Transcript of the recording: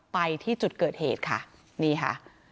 ไปที่จุดเกิดเหตุค่ะนี่ค่ะ